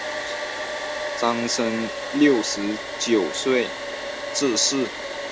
张升六十九岁致仕。